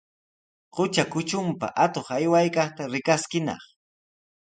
Qutra kutrunpa atuq aywaykaqta rikaskinaq.